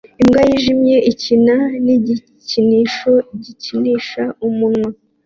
Imbwa yijimye ikina nigikinisho gikinisha umunwa